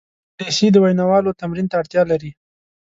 انګلیسي د ویناوالو تمرین ته اړتیا لري